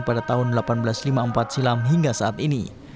pada tahun seribu delapan ratus lima puluh empat silam hingga saat ini